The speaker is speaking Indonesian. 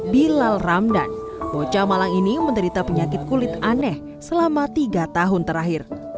bilal ramdan bocah malang ini menderita penyakit kulit aneh selama tiga tahun terakhir